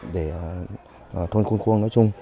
để thôn khuôn khuôn nói chung